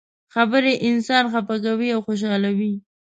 خبرې انسان خفه کوي او خوشحالوي.